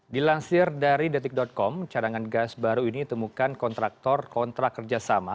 dilansir dari detik com cadangan gas baru ini ditemukan kontraktor kontrak kerjasama